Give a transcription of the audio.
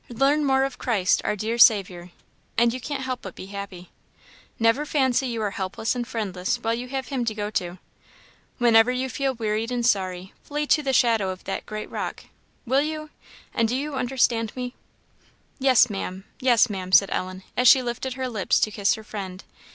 Learn more of Christ, our dear Saviour, and you can't help but be happy. Never fancy you are helpless and friendless while you have him to go to. Whenever you feel wearied and sorry, flee to the shadow of that great rock will you? and do you understand me?" "Yes, Maam yes, Maam," said Ellen, as she lifted her lips to kiss her friend.